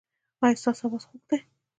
ایا ستاسو اواز خوږ دی؟